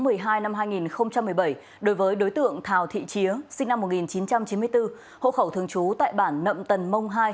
tháng một mươi hai năm hai nghìn một mươi bảy đối với đối tượng thào thị chía sinh năm một nghìn chín trăm chín mươi bốn hộ khẩu thường trú tại bản nậm tần mông hai